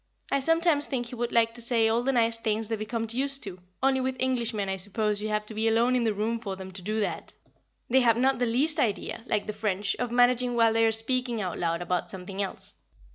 I sometimes think he would like to say all the nice things the Vicomte used to, only with Englishmen I suppose you have to be alone in the room for them to do that; they have not the least idea, like the French, of managing while they are speaking out loud about something else.